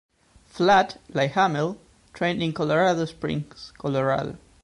Flatt, like Hamill, trained in Colorado Springs, Colorado.